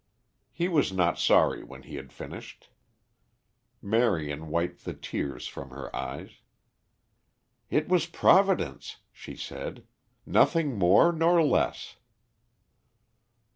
He was not sorry when he had finished. Marion wiped the tears from her eyes. "It was Providence," she said. "Nothing more nor less."